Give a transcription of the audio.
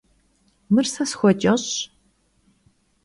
Mır se sxueç'eş'ş.